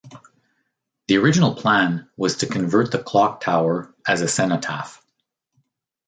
The original plan was to convert the clock tower as a cenotaph.